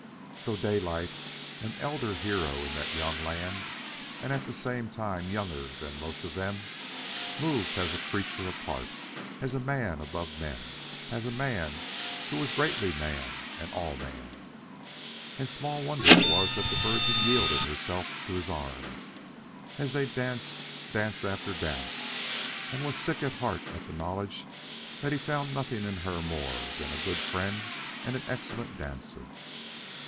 So Daylight, an elder hero in that young land and at the same time younger than most of them, moved as a creature apart, as a man above men, as a man who was greatly man and all man. And small wonder it was that the Virgin yielded herself to his arms, as they danced dance after dance, and was sick at heart at the knowledge that he found nothing in her more than a good friend and an excellent dancer.